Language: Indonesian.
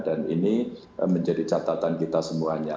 dan ini menjadi catatan kita semuanya